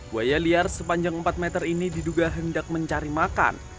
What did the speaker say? buaya liar sepanjang empat meter ini diduga hendak mencari makan